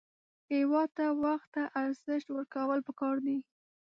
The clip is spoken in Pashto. هېواد ته وخت ته ارزښت ورکول پکار دي